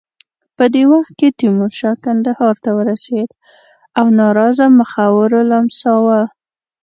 په دې وخت کې تیمورشاه کندهار ته ورسېد او ناراضه مخورو لمساوه.